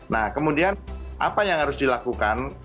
nah kemudian apa yang harus dilakukan